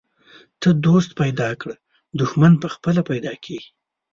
ته دوست پیدا کړه، دښمن پخپله پیدا کیږي.